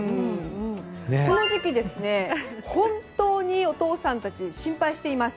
この時期本当にお父さんたち心配しています。